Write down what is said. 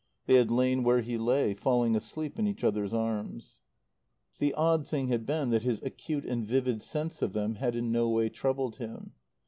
They had lain where he lay, falling asleep in each other's arms. The odd thing had been that his acute and vivid sense of them had in no way troubled him.